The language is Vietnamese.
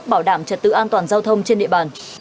bảo đảm trật tự an toàn giao thông trên địa bàn